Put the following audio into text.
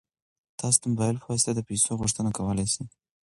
تاسو د موبایل په واسطه د پيسو غوښتنه کولی شئ.